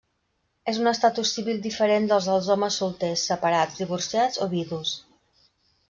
És un estatus civil diferent del dels homes solters, separats, divorciats o vidus.